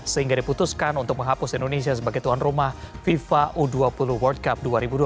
sehingga diputuskan untuk menghapus indonesia sebagai tuan rumah fifa u dua puluh world cup dua ribu dua puluh